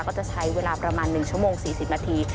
ก็จะใช้เวลาประมาณ๑ชั่วโมง๔๐นาที